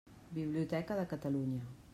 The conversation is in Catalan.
Biblioteca de Catalunya.